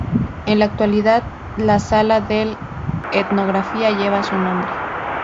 En la actualidad la Sala de Etnografía lleva su nombre.